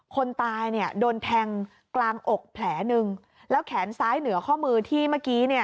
คนตายเนี่ยโดนแทงกลางอกแผลหนึ่งแล้วแขนซ้ายเหนือข้อมือที่เมื่อกี้เนี่ย